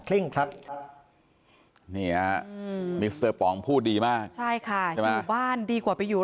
คลิ้งครับมิสเตอร์ปองพูดดีมากใช่ค่ะบ้านดีกว่าไปอยู่